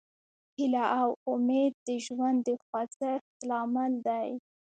هیله او امید د ژوند د خوځښت لامل دی.